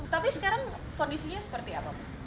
tapi sekarang kondisinya seperti apa